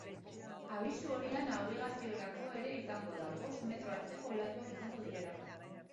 Abisu horia nabigaziorako ere izango da, bost metro arteko olatuak izango direlako.